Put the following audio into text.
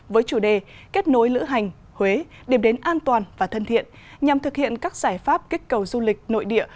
với chủ đề kết nối lữ hành huế điểm đến an toàn và thân thiện nhằm thực hiện các giải pháp kích cầu du lịch nội địa